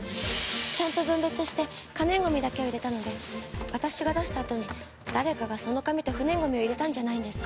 ちゃんと分別して可燃ゴミだけを入れたので私が出したあとに誰かがその紙と不燃ゴミを入れたんじゃないんですか？